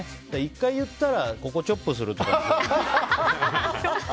１回言ったら、チョップするとか。